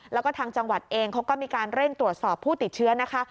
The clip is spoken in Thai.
แล้วก็ทางจังหวัดเองเขาก็มีการเร่งตรวจสอบผู้ติดเชื้อนะคะ